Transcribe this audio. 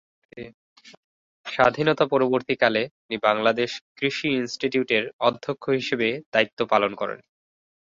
স্বাধীনতা পরবর্তীকালে তিনি বাংলাদেশ কৃষি ইনস্টিটিউটের অধ্যক্ষ হিসেবে দায়িত্ব পালন করেন।